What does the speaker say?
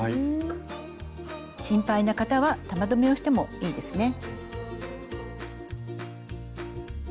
心配な方は玉留めをしてもいいですね。